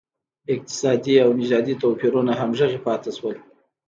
اقتصادي او نژادي توپیرونه همغږي پاتې شول.